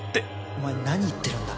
お前何言ってるんだ。